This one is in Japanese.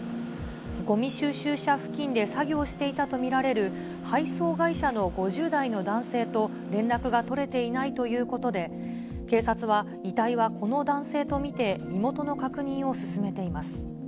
ごみ収集車付近で作業していたと見られる、配送会社の５０代の男性と連絡が取れていないということで、警察は遺体はこの男性と見て、身元の確認を進めています。